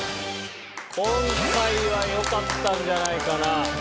今回はよかったんじゃないかな。